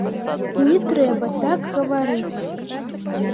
Не трэба так гаварыць!